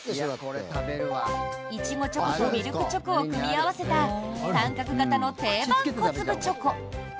イチゴチョコとミルクチョコを組み合わせた三角型の定番小粒チョコ。